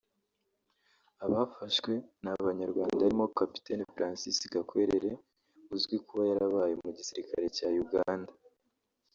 Abafashwe ni abanyarwanda harimo Capitaine Francis Gakwerere uzwi kuba yarabaye mu gisirikare cya Uganda